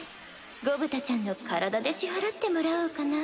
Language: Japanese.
ゴブタちゃんの体で支払ってもらおうかな。